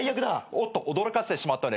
おっと驚かせてしまったね。